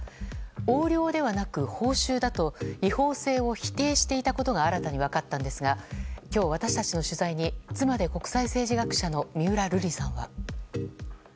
横領ではなく報酬だと違法性を否定していたことが新たに分かったんですが今日私たちの取材に妻で国際政治学者の三浦瑠麗さんは。